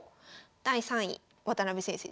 第３位渡辺先生ですね。